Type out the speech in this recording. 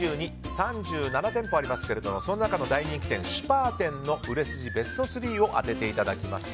３７店舗ありますがその中の大人気店シュパーテンの売れ筋ベスト３を当てていただきます。